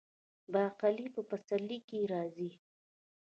باقلي په پسرلي کې راځي.